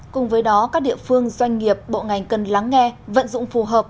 cùng với đó các địa phương doanh nghiệp bộ ngành cần lắng nghe vận dụng phù hợp